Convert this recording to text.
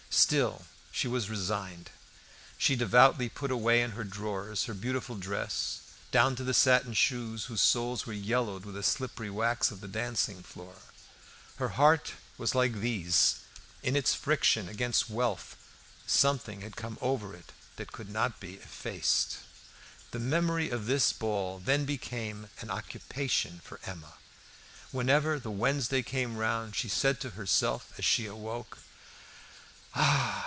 Still she was resigned. She devoutly put away in her drawers her beautiful dress, down to the satin shoes whose soles were yellowed with the slippery wax of the dancing floor. Her heart was like these. In its friction against wealth something had come over it that could not be effaced. The memory of this ball, then, became an occupation for Emma. Whenever the Wednesday came round she said to herself as she awoke, "Ah!